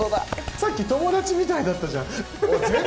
さっき友達みたいだったじゃん。